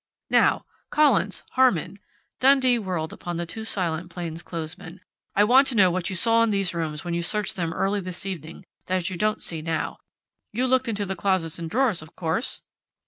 "Now, Collins Harmon " Dundee whirled upon the two silent plainclothesmen, "I want to know what you saw in these rooms when you searched them early this evening that you don't see now. You looked into the closets and drawers, of course?"